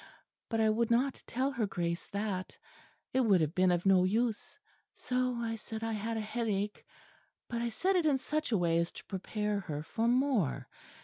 But I would not tell her Grace that: it would have been of no use; so I said I had a headache; but I said it in such a way as to prepare her for more.